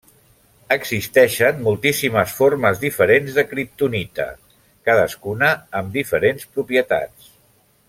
Existeixen moltíssimes formes diferents de Kriptonita, cadascuna amb diferents propietats.